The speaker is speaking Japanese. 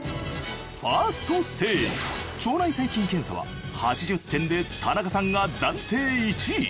ファーストステージ腸内細菌検査は８０点で田中さんが暫定１位。